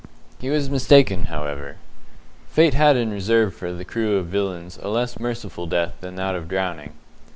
He was mistaken, however. Fate had in reserve for the crew of villains a less merciful death than that of drowning.